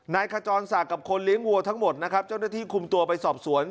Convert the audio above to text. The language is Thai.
ขจรศักดิ์กับคนเลี้ยงวัวทั้งหมดนะครับเจ้าหน้าที่คุมตัวไปสอบสวน